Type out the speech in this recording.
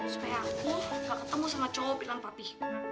supaya aku gak ketemu sama cowok bilang papi